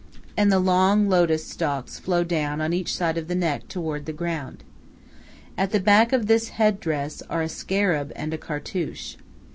And the long lotus stalks flow down on each side of the neck toward the ground. At the back of this head dress are a scarab and a cartouche.